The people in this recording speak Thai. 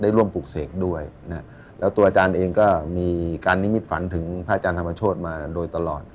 ร่วมปลูกเสกด้วยนะฮะแล้วตัวอาจารย์เองก็มีการนิมิตฝันถึงพระอาจารย์ธรรมโชธมาโดยตลอด